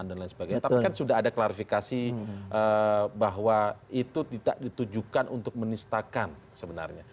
tapi kan sudah ada klarifikasi bahwa itu tidak ditujukan untuk menistakan sebenarnya